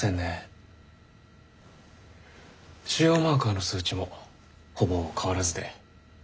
腫瘍マーカーの数値もほぼ変わらずで。